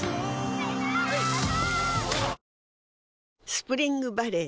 スプリングバレー